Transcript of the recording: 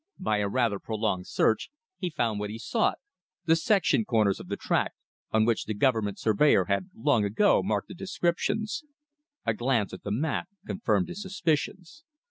By a rather prolonged search he found what he sought, the "section corners" of the tract, on which the government surveyor had long ago marked the "descriptions." A glance at the map confirmed his suspicions.